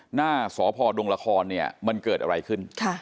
หน้าสพดงละครเนี่ยมันเกิดอะไรขึ้น